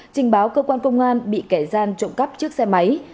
trình báo cơ quan công an bị kẻ gian trộm cắp chiếc xe máy